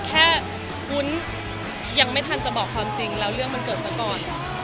วุ้นยังไม่ทันจะบอกความจริงแล้วเรื่องมันเกิดซะก่อน